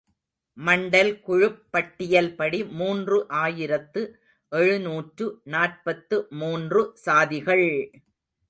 மண்டல் குழுப் பட்டியல்படி மூன்று ஆயிரத்து எழுநூற்று நாற்பத்து மூன்று சாதிகள்!